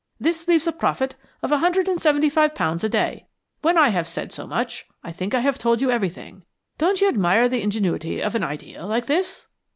This leaves a profit of a hundred and seventy five pounds a day. When I have said so much, I think I have told you everything. Don't you admire the ingenuity of an idea like this?"